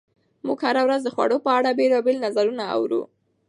موږ هره ورځ د خوړو په اړه بېلابېل نظرونه اورو.